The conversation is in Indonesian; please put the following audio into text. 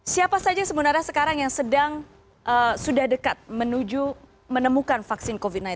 siapa saja sebenarnya sekarang yang sudah dekat menuju menemukan vaksin covid sembilan belas